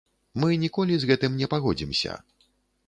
Мы ніколі з гэтым не пагодзімся.